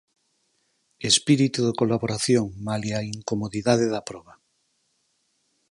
Espírito de colaboración malia a incomodidade da proba.